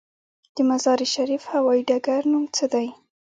د مزار شریف هوايي ډګر نوم څه دی؟